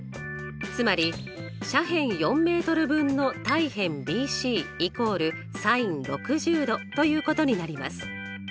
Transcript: つまり斜辺４ｍ分の対辺ＢＣイコールｓｉｎ６０°ということになります。